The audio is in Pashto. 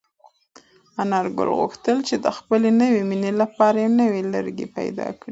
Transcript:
انارګل غوښتل چې د خپلې نوې مېنې لپاره یو نوی لرګی پیدا کړي.